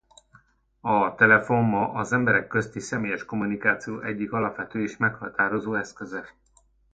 A telefon ma az emberek közötti személyes kommunikáció egyik alapvető és meghatározó eszköze.